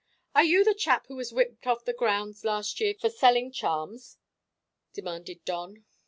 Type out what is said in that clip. "Are you the chap who was whipped off the grounds last year for selling chaims?" demanded Don.